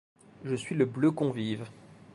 Je suis le bleu convive